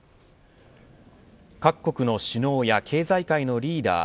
各国の首脳や経済界のリーダー